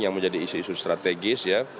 yang menjadi isu isu strategis ya